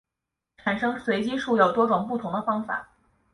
产生随机数有多种不同的方法。